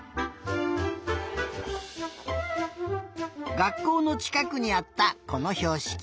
がっこうのちかくにあったこのひょうしき。